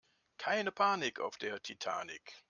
Keine Panik auf der Titanic!